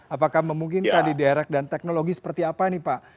apakah memungkinkan diderek dan teknologi seperti apa nih pak